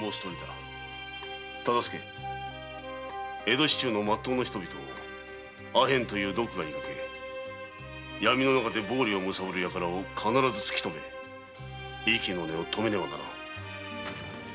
江戸市中のまっとうな人々をアヘンという毒牙にかけ暴利をむさぼるヤカラを必ず突きとめ息の根をとめねばならぬ。